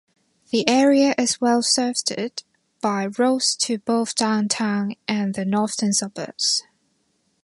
The area is well served by roads to both downtown and the northern suburbs.